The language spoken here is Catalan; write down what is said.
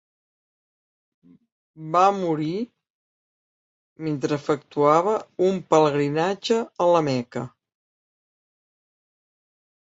Va morir mentre efectuava un pelegrinatge a la Meca.